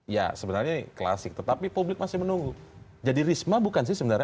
ya sebenarnya ini klasik tetapi publik masih menunggu jadi risma bukan sih sebenarnya